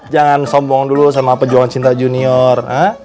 jangan sombong dulu sama pejuang cinta junior